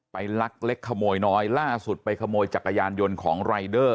ลักเล็กขโมยน้อยล่าสุดไปขโมยจักรยานยนต์ของรายเดอร์